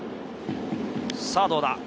さぁどうだ？